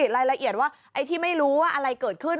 รายละเอียดว่าไอ้ที่ไม่รู้ว่าอะไรเกิดขึ้น